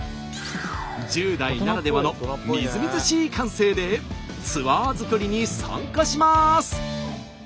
１０代ならではのみずみずしい感性でツアー作りに参加します。